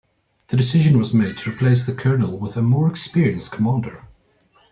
The decision was made to replace the colonel with a more experienced commander.